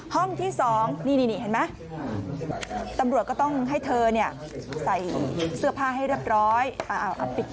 ห้องที่๒นี่เห็นไหมตำรวจก็ต้องให้เธอเนี่ยใส่เสื้อผ้าให้เรียบร้อย